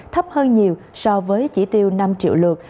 thấp hơn nhiều so với chỉ tiêu năm triệu lượt